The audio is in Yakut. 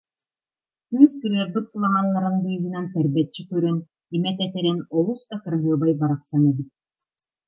Кыыс кырыарбыт кыламаннарын быыһынан тэрбэччи көрөн, имэ тэтэрэн олус да кыраһыабай барахсан эбит